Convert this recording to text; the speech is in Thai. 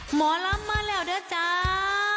หมอนลำมาแล้วเดี๋ยวจ้า